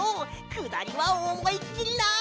くだりはおもいっきりな！